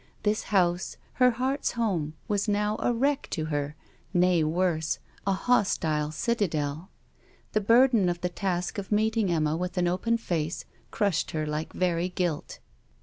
This house, her heart's home, was now a wreck to her: nay, worse, a hostile citadel. The burden of the task of meeting Emma with an open face, crushed her like very guilt.